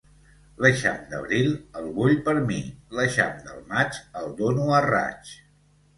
L'eixam d'abril, el vull per mi; l'eixam del maig, el dono a raig.